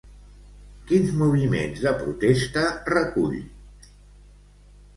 Quins moviments de protesta recull?